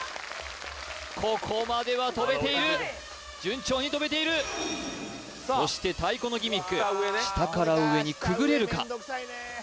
ここまでは飛べている順調に飛べているそして太鼓のギミック下から上にくぐれるか？